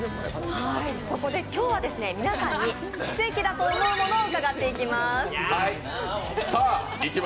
そこで今日は皆さんに奇跡だと思うものを伺っていきます。